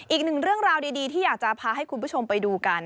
อีกหนึ่งเรื่องราวดีที่อยากจะพาให้คุณผู้ชมไปดูกัน